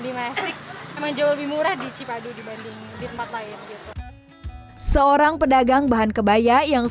di masjid memang jauh lebih murah di cipadu dibanding di tempat lain gitu seorang pedagang bahan kebaya yang